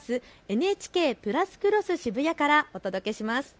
ＮＨＫプラスクロスＳＨＩＢＵＹＡからお届けします。